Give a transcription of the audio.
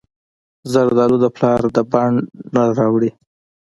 زردالو د پلار د بڼ نه راوړي.